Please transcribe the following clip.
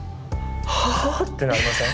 「はあ」ってなりません？